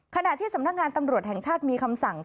ขณะที่สำนักงานตำรวจแห่งชาติมีคำสั่ง